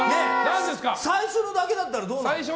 最初のだけだったらどうなの？